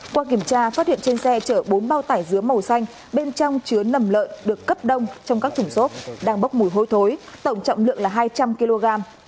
qua kiểm tra phát hiện trên xe chở bốn bao tải dứa màu xanh bên trong chứa nầm lợn được cấp đông trong các thùng xốp đang bốc mùi hôi thối tổng trọng lượng là hai trăm linh kg